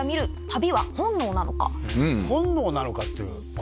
本能なのかっていうか